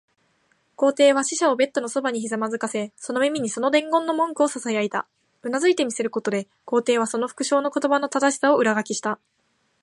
皇帝は使者をベッドのそばにひざまずかせ、その耳にその伝言の文句をささやいた。うなずいて見せることで、皇帝はその復誦の言葉の正しさを裏書きした。